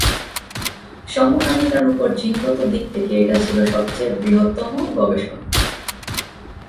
সমকামিতার উপর জিনগত দিক থেকে এটা ছিল সবচেয়ে বৃহত্তম গবেষণা।